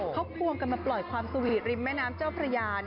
เขาควงกันมาปล่อยความสวีทริมแม่น้ำเจ้าพระยา